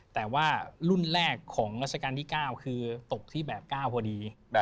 แต่ว่ารุ่นแรกของราชการที่๙คือตกที่แบบ๙พอดี